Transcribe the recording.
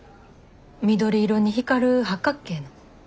緑色に光る八角形の。